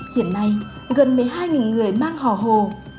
hiện nay gần một mươi hai người mang hò hồ